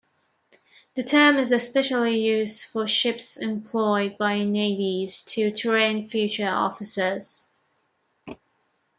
The term is especially used for ships employed by navies to train future officers.